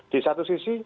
di satu sisi